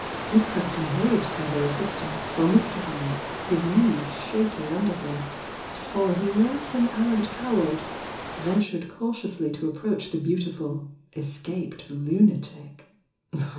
Miss Preston hurried to her assistance, while Mr. May, his knees shaking under him, — for he was an arrant coward, — ventured cautiously to approach the beau tiful "escaped lunatic."